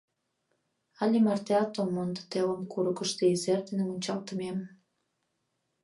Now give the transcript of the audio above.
Але мартеат ом мондо телым курыкышто издер дене мунчалтымем.